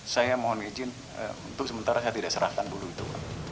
saya mohon izin untuk sementara saya tidak serahkan dulu itu